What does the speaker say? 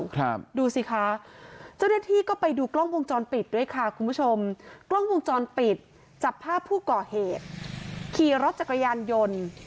ครับดูสิคะเจ้าเนื้อที่ก็ไปดูกล้องพวงจรปิดด้วยค่ะคุณผู้ชม